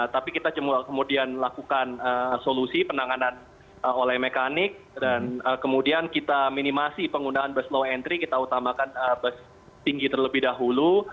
tapi kita kemudian lakukan solusi penanganan oleh mekanik dan kemudian kita minimasi penggunaan bus low entry kita utamakan bus tinggi terlebih dahulu